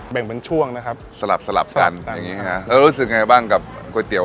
แบ่งเป็นช่วงนะครับสลับสลับกันอย่างงี้ฮะแล้วรู้สึกยังไงบ้างกับก๋วยเตี๋ย